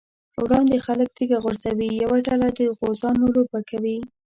وړاندې خلک تيږه غورځوي، یوه ډله د غوزانو لوبه کوي.